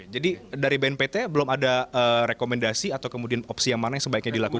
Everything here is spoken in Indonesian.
jadi dari bnpt belum ada rekomendasi atau kemudian opsi yang mana yang sebaiknya dilakukan